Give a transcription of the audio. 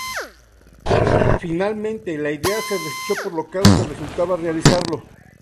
Finalmente la idea se desechó por lo caro que resultaba realizarlo.